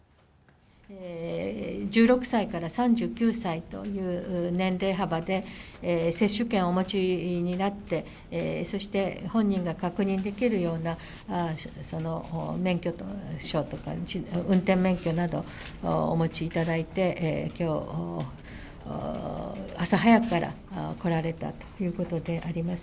１６歳から３９歳という年齢幅で、接種券をお持ちになって、そして本人が確認できるような免許証とか運転免許などお持ちいただいて、きょう、朝早くから来られたということであります。